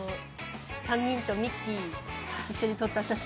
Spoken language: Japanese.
３人とミッキー、一緒に撮った写真